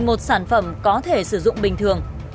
những người thợ đều có thể sử dụng bình thường